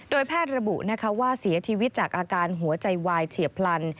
แพทย์ระบุว่าเสียชีวิตจากอาการหัวใจวายเฉียบพลัน